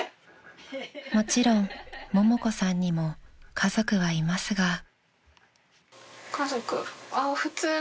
［もちろんももこさんにも家族はいますが］